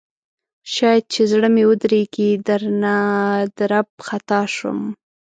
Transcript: شاید چې زړه مې ودریږي درنه درب خطا شم